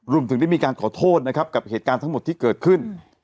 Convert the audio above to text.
รวมถึงได้มีการขอโทษนะครับกับเหตุการณ์ทั้งหมดที่เกิดขึ้น